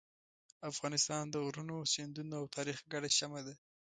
افغانستان د غرونو، سیندونو او تاریخ ګډه شمع ده.